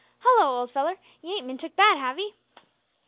"Hallo! old feller, you ain't bin took bad, have 'ee?"